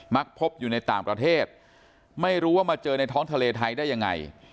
พบอยู่ในต่างประเทศไม่รู้ว่ามาเจอในท้องทะเลไทยได้ยังไง